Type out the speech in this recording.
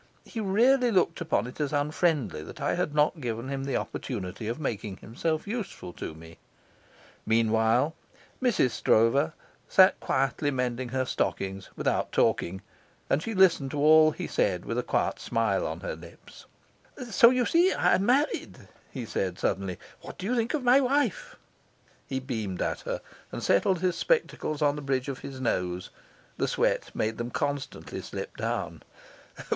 He really looked upon it as unfriendly that I had not given him the opportunity of making himself useful to me. Meanwhile, Mrs. Stroeve sat quietly mending her stockings, without talking, and she listened to all he said with a quiet smile on her lips. "So, you see, I'm married," he said suddenly; "what do you think of my wife?" He beamed at her, and settled his spectacles on the bridge of his nose. The sweat made them constantly slip down.